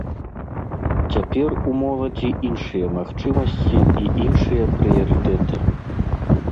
Цяпер у моладзі іншыя магчымасці і іншыя прыярытэты.